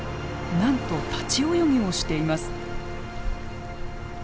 なんと立ち泳ぎをしています。